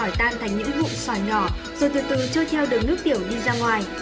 sòi tan thành những vụn sòi nhỏ rồi từ từ chơi theo đường nước tiểu đi ra ngoài